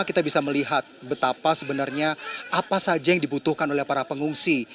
kita bisa melihat betapa sebenarnya apa saja yang dibutuhkan oleh para pengungsi